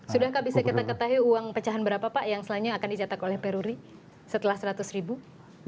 sudahkah bisa kita ketahui uang pecahan berapa pak yang selanjutnya akan dicetak oleh peruri setelah seratus ribu